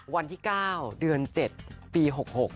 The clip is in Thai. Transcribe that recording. วันที่๙เดือน๗ปี๖๖